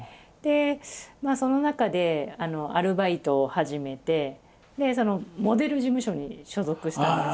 その中でアルバイトを始めてモデル事務所に所属したんです。